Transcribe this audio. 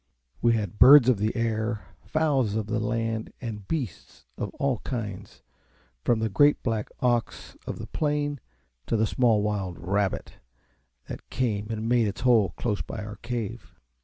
We had birds of the air, fowls of the land, and beasts of all kinds' from the great black ox of the plain to the small wild RAB BIT that came and made its hole close by our cave.